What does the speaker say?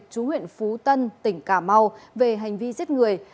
chú huyện phú tân tỉnh cà mau về hành vi giết người